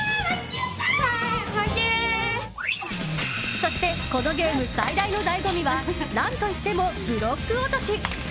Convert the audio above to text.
そしてこのゲーム最大の醍醐味は何といってもブロック落とし！